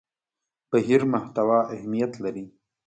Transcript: بهیر محتوا اهمیت لري.